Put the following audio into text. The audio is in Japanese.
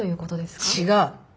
違う。